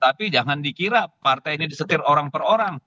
tapi jangan dikira partai ini disetir orang per orang